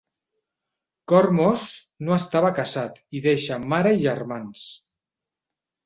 Kormos no estava casat i deixa mare i germans.